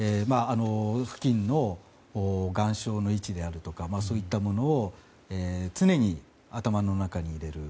付近の岩礁の位置であるとかそういったものを常に頭の中に入れる。